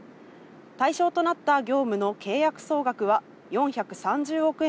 対象となった業務の契約総額は４３０億円